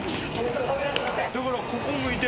だからここ向いて。